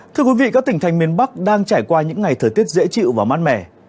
thưa quý vị các tỉnh thành miền bắc đang trải qua những ngày thời tiết dễ chịu và mát mẻ